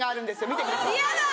見てください。